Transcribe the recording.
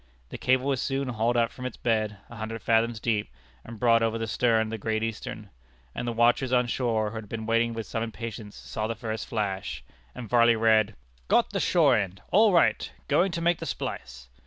The cable was soon hauled up from its bed, a hundred fathoms deep, and brought over the stern of the Great Eastern; and the watchers on shore, who had been waiting with some impatience, saw the first flash, and Varley read, "Got the shore end all right going to make the splice."